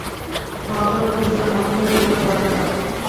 খাওয়াদাওয়ার পর দু জনে হাত ধরাধরি করে বাগানে হাঁটলাম।